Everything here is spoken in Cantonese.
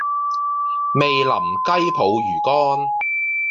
味淋雞泡魚干